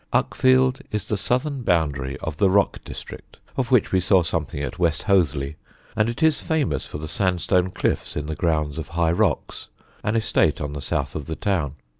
[Sidenote: THE UCKFIELD ROCKS] Uckfield is the southern boundary of the rock district of which we saw something at West Hoathly, and it is famous for the sandstone cliffs in the grounds of High Rocks, an estate on the south of the town.